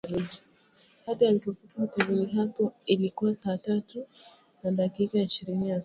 Hadi alipofika hotelini hapo ilikuwa saa tat una dakika ishirini asubuhi